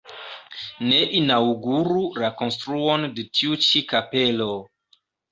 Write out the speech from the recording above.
Ne inaŭguru la konstruon de tiu ĉi kapelo!